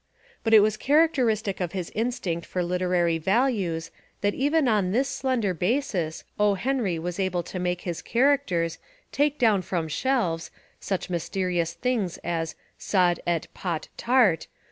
But it was characteristic of his instinct for literary values that even on this slender basis O. Henry was able to make his characters "take down from shelves" such mys terious things as Sod. et Pot. Tart.